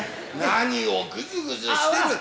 何をぐずぐずしてる。